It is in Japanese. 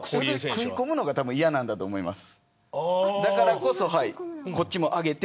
食い込むのが嫌なんだと思います。